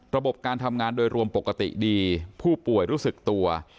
ระบบการทำงานโดยรวมปกติดีผู้ป่วยรู้สึกตัว